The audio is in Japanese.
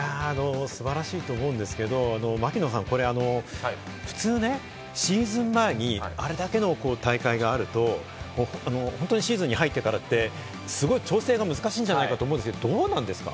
素晴らしいと思うんですけど、槙野さん、普通ね、シーズン前にあれだけの大会があると、シーズンに入ってからって、すごい調整が難しいんじゃないかと思うんですけど、どうなんですか？